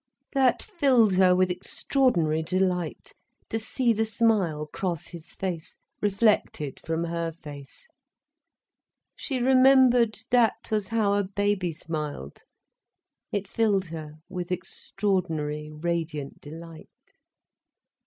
That filled her with extraordinary delight, to see the smile cross his face, reflected from her face. She remembered that was how a baby smiled. It filled her with extraordinary radiant delight.